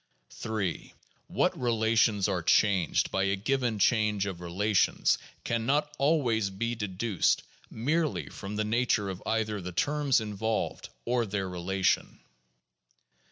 3. What relations are changed by a given change of relation can not always be deduced merely from the nature of either the terms involved or their relation.